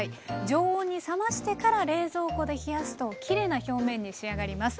常温に冷ましてから冷蔵庫で冷やすときれいな表面に仕上がります。